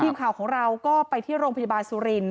ทีมข่าวของเราก็ไปที่โรงพยาบาลสุรินท